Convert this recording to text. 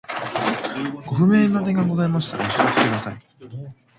ご不明な点がございましたらお知らせください。